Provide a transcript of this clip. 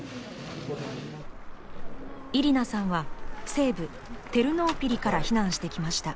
イリナさんは西部テルノーピリから避難してきました。